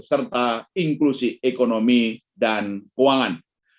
serta inklusi ekonomi dan keuangan